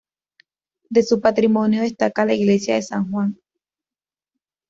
De su patrimonio destaca la iglesia de San Juan.